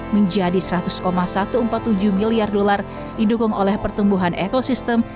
menjadi seratus satu ratus empat puluh tujuh miliar dolar didukung oleh pertumbuhan ekosistem